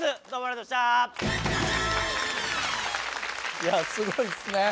いやすごいっすね。